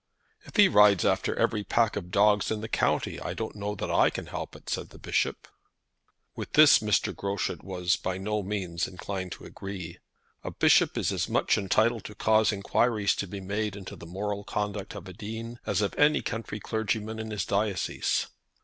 "If he rides after every pack of dogs in the county, I don't know that I can help it," said the Bishop. With this Mr. Groschut was by no means inclined to agree. A bishop is as much entitled to cause inquiries to be made into the moral conduct of a dean as of any country clergyman in his diocese.